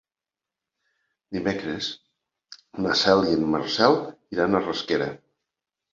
Dimecres na Cel i en Marcel iran a Rasquera.